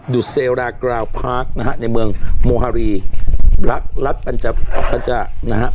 ดูเซลลากราวพาร์คนะครับในเมืองโมหารีรัดรัดปันจาปันจานะฮะ